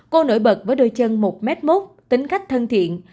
cô nổi bật với đôi chân một m mốc tính cách thân thiện